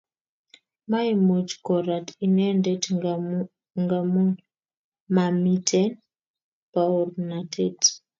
Maimuch ko rat inendet ngamun mamiten baornatet